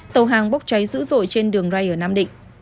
tàu hàng bốc cháy dữ dội trên đường ray ở nam định